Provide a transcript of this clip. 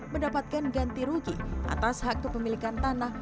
mendapatkan ganti rugi atas hak kepemilikan tanah